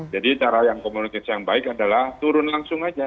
jadi cara yang komunikasi yang baik adalah turun langsung saja